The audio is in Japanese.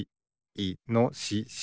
いのしし。